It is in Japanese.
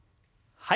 はい。